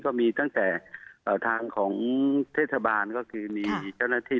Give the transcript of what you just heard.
ก็มีตั้งแต่ทางของเทศบาลก็คือมีเจ้าหน้าที่